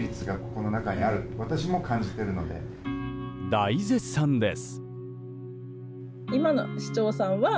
大絶賛です。